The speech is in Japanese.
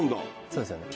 そうですよね。